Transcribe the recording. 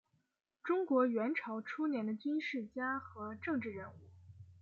中国元朝初年的军事家和政治人物。